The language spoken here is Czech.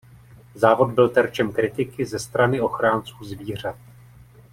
Závod byl terčem kritiky ze strany ochránců zvířat.